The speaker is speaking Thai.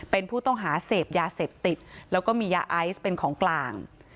เป็นผู้ต้องหาเสพยาเสพติดแล้วก็มียาไอซ์เป็นของกลาง